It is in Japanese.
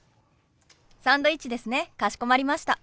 サンドイッチですねかしこまりました。